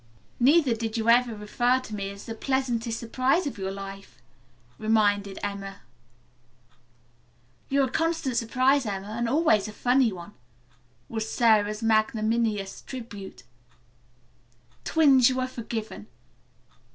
"Neither did you ever refer to me as the 'pleasantest surprise' of your life," reminded Emma. "You're a constant surprise, Emma, and always a funny one," was Sara's magnanimous tribute. "Twins, you are forgiven.